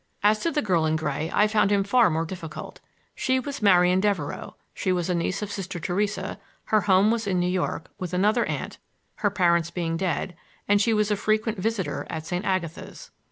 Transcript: As to the girl in gray I found him far more difficult. She was Marian Devereux; she was a niece of Sister Theresa; her home was in New York, with another aunt, her parents being dead; and she was a frequent visitor at St. Agatha's.